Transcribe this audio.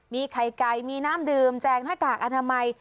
มีไข่ไก่มีน้ำดื่มแจงหน้ากากอนามัย